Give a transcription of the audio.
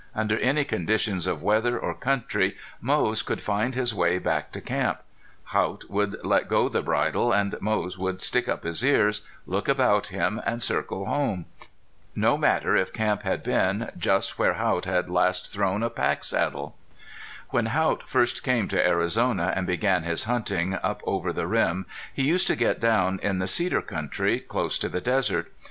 Under any conditions of weather or country Moze could find his way back to camp. Haught would let go the bridle, and Moze would stick up his ears, look about him, and circle home. No matter if camp had been just where Haught had last thrown a packsaddle! When Haught first came to Arizona and began his hunting up over the rim he used to get down in the cedar country, close to the desert.